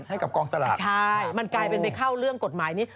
ให้กับกองสลากใช่มันกลายเป็นไปเข้าเรื่องกฎหมายนี้